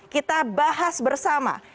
kita bahas bersama